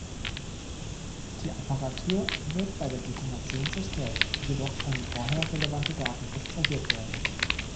Die Apparatur wird bei der Detonation zerstört, jedoch können vorher relevante Daten extrahiert werden.